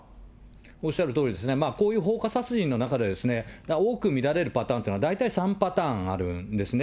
おっしゃるとおりですね、こういう放火殺人の中で多く見られるパターンというのは大体３パターンあるんですね。